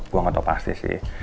gue gak tau pasti sih